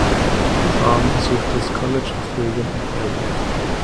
Bram besuchte das College of William and Mary.